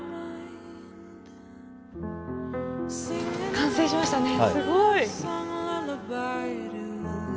完成しましたね。